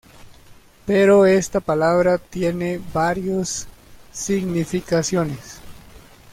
Pero esta palabra tiene varios significaciones.